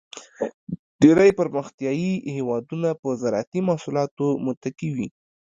ډېری پرمختیایي هېوادونه په زراعتی محصولاتو متکی وي.